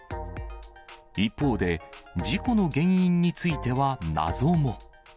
一方で、事故の原因については謎も。